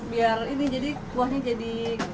biar ini jadi kuahnya jadi